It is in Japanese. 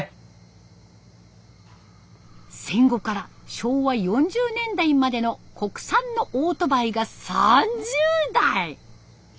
戦後から昭和４０年代までの国産のオートバイが３０台！